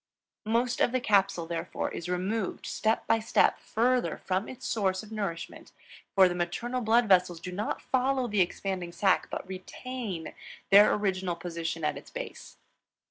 Most of the capsule, therefore, is removed step by step farther from its source of nourishment, for the maternal blood vessels do not follow the expanding sac but retain their original position at its base.